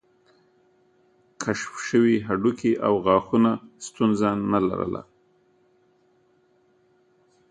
کشف شوي هډوکي او غاښونه ستونزه نه لرله.